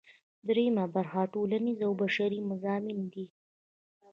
دریمه برخه ټولنیز او بشري مضامین دي.